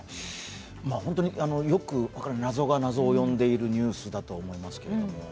よく分からない謎が謎を呼んでいるニュースだと思いますけど。